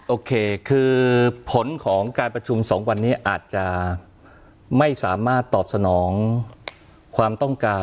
โอเคคือผลของการประชุม๒วันนี้อาจจะไม่สามารถตอบสนองความต้องการ